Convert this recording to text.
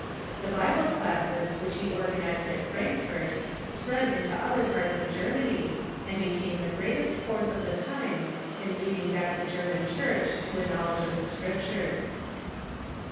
The Bible classes which he organized at Frankfort spread into other parts of Germany, and became the greatest force of the times in leading back the German Church to a knowledge of the Scriptures.